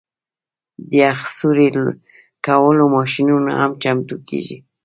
د یخ سوري کولو ماشینونه هم چمتو کیږي